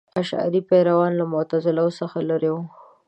اشعري پیروان له معتزله څخه لرې وو.